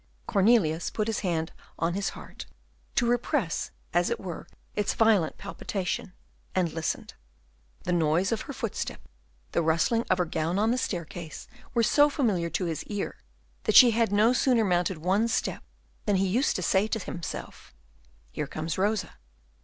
Cornelius put his hand on his heart, to repress as it were its violent palpitation, and listened. The noise of her footstep, the rustling of her gown on the staircase, were so familiar to his ear, that she had no sooner mounted one step than he used to say to himself, "Here comes Rosa."